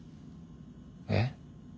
えっ。